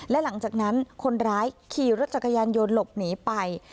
และหลังจากนั้นคนร้ายขี่รถจักรยานยนต์หลบหนีไป